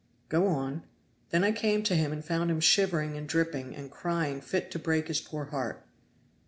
"Go on." "Then I came to him and found him shivering and dripping, and crying fit to break his poor heart."